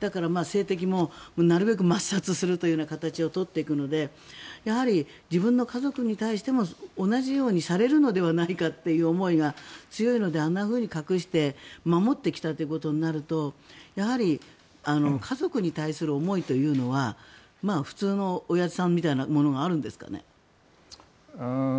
だから政敵もなるべく抹殺するという形を取っていくのでやはり自分の家族に対しても同じようにされるのではないかという思いが強いのであんなふうに隠して守ってきたということになるとやはり家族に対する思いというのは普通のおやじさんみたいなものがあるんですかね。